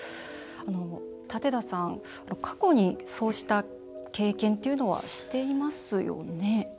舘田さん、過去にそうした経験というのはしていますよね？